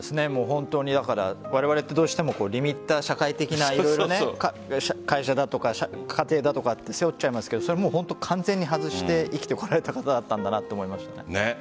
だからわれわれってどうしてもリミッター社会的な会社だとか、家庭だとか背負っちゃいますがそれは本当に完全に外して生きてこられた方だったなと思いました。